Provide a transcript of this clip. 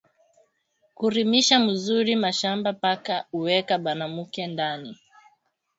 Kurimisha muzuri mashamba paka uweke banamuke ndani